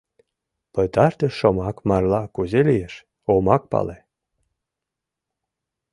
Пытартыш шомак марла кузе лиеш — омак пале.